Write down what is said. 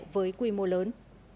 với quy mô lớn